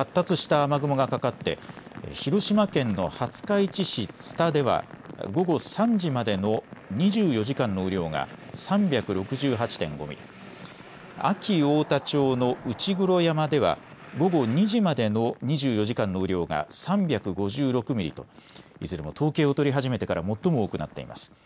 中国地方や四国では発達した雨雲がかかって広島県の廿日市市津田では午後３時までの２４時間の雨量が３６８．５ミリ、安芸太田町の内黒山では午後２時までの２４時間の雨量が３５６ミリといずれも統計を取り始めてから最も多くなっています。